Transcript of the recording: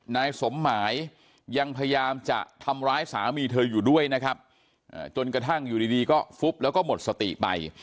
นายสมหมายยังพยายามจะทำร้ายสามีเธออยู่ด้วยนะครับจนกระทั่งอยู่ดีก็ฟุบแล้วก็หมดสติไป